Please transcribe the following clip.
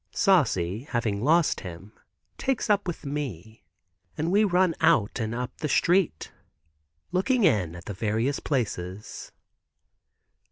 Saucy having lost him, takes up with me, and we run out and up the street, looking in at various places.